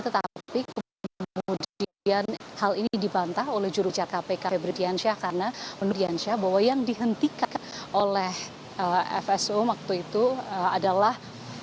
tetapi kemudian hal ini dibantah oleh jurus jatah pkp berdiansyah karena berdiansyah bahwa yang dihentikan oleh fso waktu itu adalah